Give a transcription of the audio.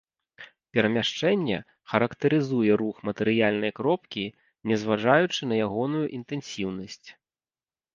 Перамяшчэнне характарызуе рух матэрыяльнай кропкі, не зважаючы на ягоную інтэнсіўнасць.